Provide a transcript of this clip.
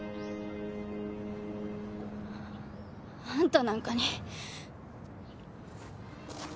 あんたなんかに。